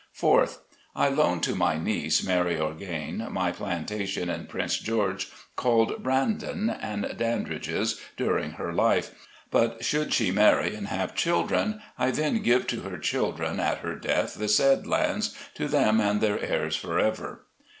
4th. I loan to my niece, Mary Orgain, my Planta tion in Prince George, called Brandon and Dan dridge's, during her life; but should she marry and have children, I then give to her children, at her death, the said lands, to them and their heirs forever.